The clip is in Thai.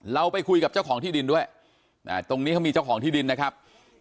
เราไปคุยกับเจ้าของที่ดินด้วยตรงนี้เขามีเจ้าของที่ดินนะครับ